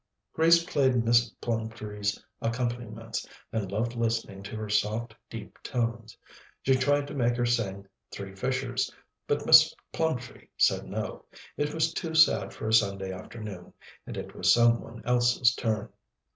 Grace played Miss Plumtree's accompaniments, and loved listening to her soft, deep tones. She tried to make her sing "Three Fishers," but Miss Plumtree said no: it was too sad for a Sunday afternoon, and it was some one else's turn.